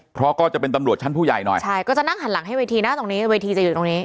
เพราะก็จะเป็นตำรวจชั้นผู้ใหญ่หน่อยใช่ก็จะนั่งหันหลังให้เวทีหน้าตรงนี้เวทีจะอยู่ตรงนี้